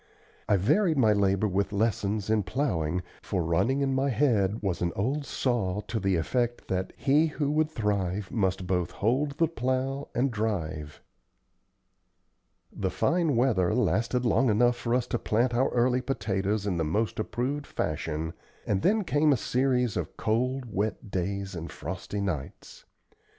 I varied my labor with lessons in plowing, for running in my head was an "old saw" to the effect that "he who would thrive must both hold the plow and drive." The fine weather lasted long enough for us to plant our early potatoes in the most approved fashion, and then came a series of cold, wet days and frosty nights.